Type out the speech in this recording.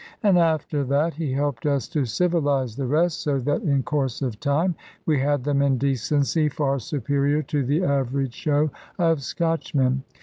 And after that he helped us to civilise the rest; so that in course of time we had them in decency far superior to the average show of Scotchmen.